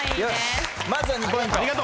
まずは２ポイント。